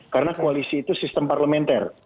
karena koalisi itu sistem parlementer